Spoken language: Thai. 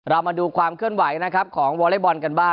เรามาดูความเคลื่อนไหวนะครับของวอเล็กบอลกันบ้าง